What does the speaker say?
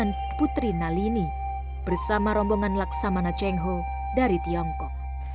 yang menyebutnya menteri nalini bersama rombongan laksamana cengho dari tiongkok